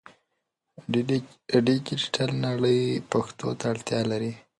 ډیجیټل نړۍ پښتو ته اړتیا لري.